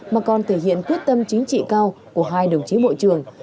mà còn thể hiện quyết tâm chính trị cao của hai đồng chí bộ trưởng